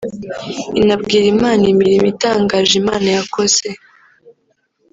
inabwira Imana imirimo itangaje Imana yakoze